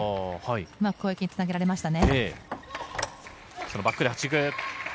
攻撃につなげられましたね。